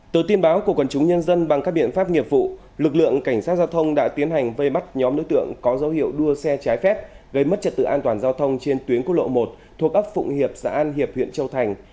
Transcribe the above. từ tin báo của quần chúng nhân dân bằng các biện pháp nghiệp vụ lực lượng cảnh sát giao thông đã tiến hành vây bắt nhóm đối tượng có dấu hiệu đua xe trái phép gây mất trật tự an toàn giao thông trên tuyến quốc lộ một thuộc ấp phụng hiệp xã an hiệp huyện châu thành